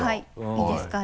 いいですか？